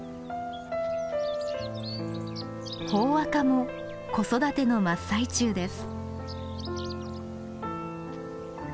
ホオアカも子育ての真っ最中です。